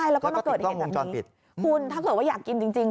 แล้วก็ติดต้องวงจรปิดคุณถ้าเกิดว่าอยากกินจริง